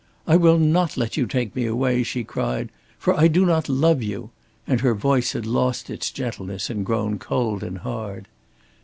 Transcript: "I will not let you take me away," she cried. "For I do not love you"; and her voice had lost its gentleness and grown cold and hard.